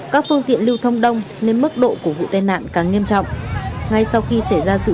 các phương tiện lưu thông đông nên mức độ của vụ tai nạn càng nghiêm trọng ngay sau khi xảy ra sự